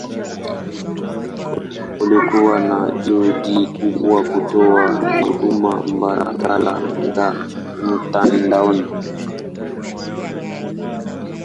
Kulikuwa na juhudi kubwa kutoa huduma mbadala mtandaoni.